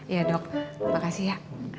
iya dok terima kasih ya